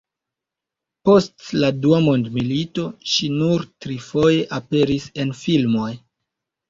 Post la dua mondmilito ŝi nur trifoje aperis en filmoj.